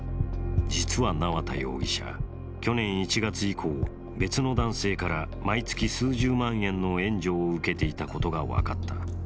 実は縄田容疑者、去年１月以降、別の男性から毎月数十万円の援助を受けていたことが分かった。